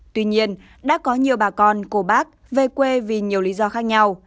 tuy nhiên đã có nhiều bà con cô bác về quê vì nhiều lý do khác nhau